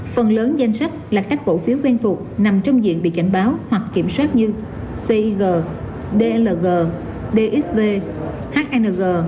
phần lớn danh sách là các cổ phiếu quen thuộc nằm trong diện bị cảnh báo hoặc kiểm soát như cig dlg dxv hng